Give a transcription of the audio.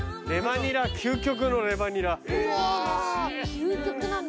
究極なんだ。